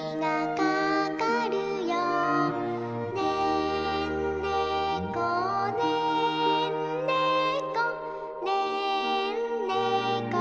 「ねんねこねんねこねんねこよ」